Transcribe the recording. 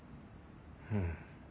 うん。